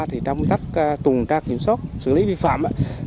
trong tác tuần tra kiểm soát xử lý vi phạm